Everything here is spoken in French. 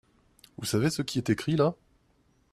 Vous savez ce qui est écrit là ?